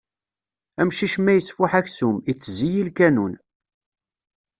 Amcic ma isfuḥ aksum, itezzi i lkanun.